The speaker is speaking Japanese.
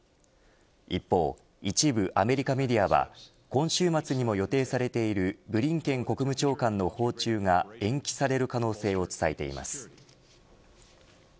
一方、一部アメリカメディアは今週末にも予定されているブリンケン国務長官の訪中が延期される可能性を伝えています